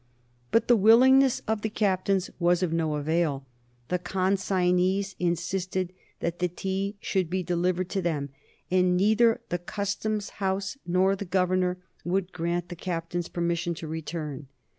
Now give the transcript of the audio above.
But the willingness of the captains was of no avail. The consignees insisted that the tea should be delivered to them, and neither the Custom House nor the Governor would grant the captains permission to return.